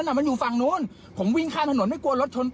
ตำรวจพระพะแดงคืออะไรครับ